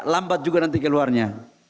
lambat juga nanti keluarnya